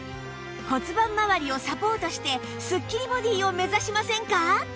骨盤まわりをサポートしてすっきりボディーを目指しませんか？